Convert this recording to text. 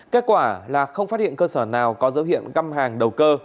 kết quả là không phát hiện cơ sở nào có dấu hiệu găm hàng đầu cơ